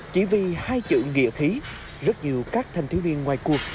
chỉ vì hai chữ nghĩa khí rất nhiều các thành thiếu viên ngoài cuộc